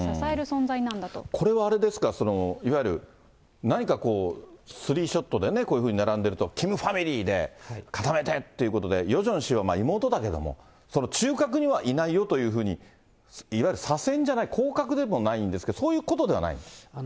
これはあれですか、いわゆる何か３ショットでこういうふうに並んでると、キムファミリーで固めてっていうことで、ヨジョン氏は妹だけれども、その中核にはいないよというふうに、いわゆる左遷じゃない、降格でもないんですけど、そういうことではない？